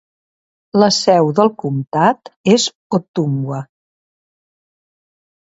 La seu del comtat és Ottumwa.